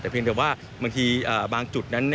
แต่เพียงแต่ว่าบางทีบางจุดนั้น